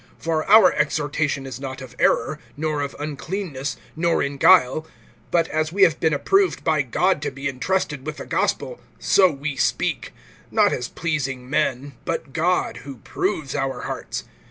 (3)For our exhortation is not of error, nor of uncleanness, nor in guile; (4)but as we have been approved by God to be entrusted with the gospel, so we speak; not as pleasing men, but God, who proves our hearts.